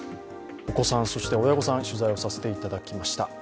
お子さん、そして親御さん取材をさせていただきました。